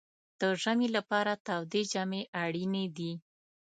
د ژمي لپاره تودې جامې اړینې دي.